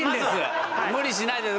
無理しないで。